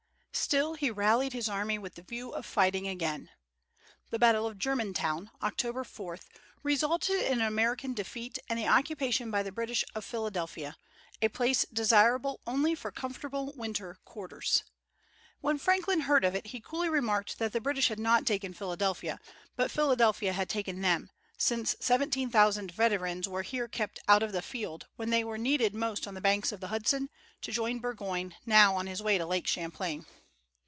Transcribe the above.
Still, he rallied his army with the view of fighting again. The battle of Germantown, October 4, resulted in American defeat and the occupation by the British of Philadelphia, a place desirable only for comfortable winter quarters. When Franklin heard of it he coolly remarked that the British had not taken Philadelphia, but Philadelphia had taken them, since seventeen thousand veterans were here kept out of the field, when they were needed most on the banks of the Hudson, to join Burgoyne, now on his way to Lake Champlain.